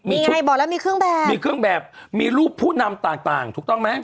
มีใครบอกแล้วมีเครื่องแบบมีเครื่องแบบมีรูปผู้นำต่างต่างถูกต้องไหม